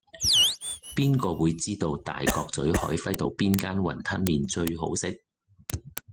邊個會知道大角咀海輝道邊間雲吞麵最好食